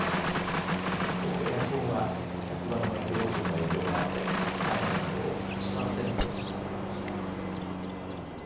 一方、エアコンは夏場の天候不順の影響もあって前の年度を８％下回りました。